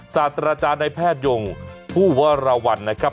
ศาสตราจารย์ในแพทยงผู้วรวรรณนะครับ